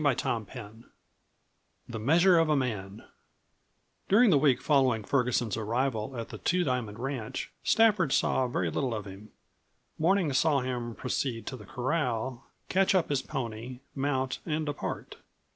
CHAPTER VII THE MEASURE OF A MAN During the week following Ferguson's arrival at the Two Diamond ranch Stafford saw very little of him. Mornings saw him proceed to the corral, catch up his pony, mount, and depart.